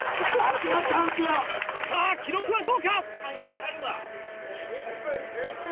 さぁ記録はどうか？